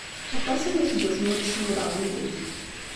Aṭas aya seg wasmi ur ssawleɣ yid-k.